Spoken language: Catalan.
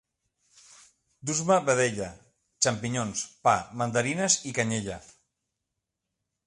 Dus-me vedella, xampinyons, pa, mandarines i canyella